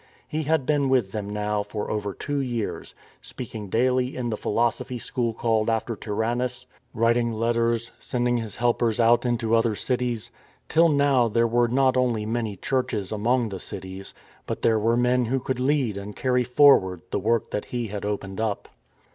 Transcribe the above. He had been with them now for over two years, speak 266 STORM AND STRESS ing daily in the philosophy school called after Tyran nus, writing letters, sending his helpers out into the other cities: till now there were not only many churches among the cities, but there were men who could lead and carry forward the work that he had opened up.